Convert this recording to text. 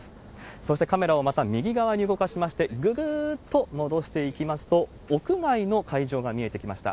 そしてカメラをまた右側に動かしまして、ぐぐーっと戻していきますと、屋外の会場が見えてきました。